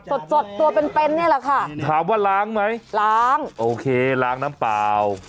สดสดตัวเป็นเป็นนี่แหละค่ะถามว่าล้างไหมล้างโอเคล้างน้ำเปล่า